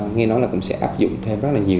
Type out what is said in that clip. nghe nói là cũng sẽ áp dụng thêm rất là nhiều